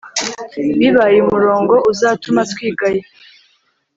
bibaye umurongo uzatuma twigaya